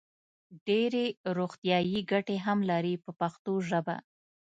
ډېرې روغتیايي ګټې هم لري په پښتو ژبه.